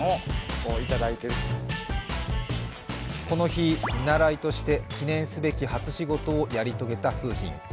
この日、見習いとして記念すべき初仕事をやり遂げた楓浜。